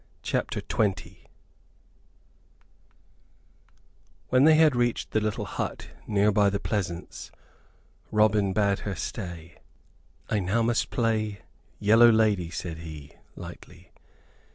CHAPTER XX When they had reached the little hut near by the pleasance, Robin bade her stay. "I now must play Yellow Lady," said he, lightly.